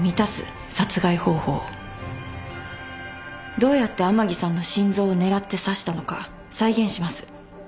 どうやって甘木さんの心臓を狙って刺したのか再現します。